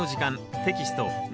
テキスト２